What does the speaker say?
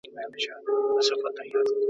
له خپل ځان سره مهربانه اوسئ.